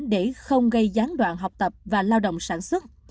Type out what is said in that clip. để không gây gián đoạn học tập và lao động sản xuất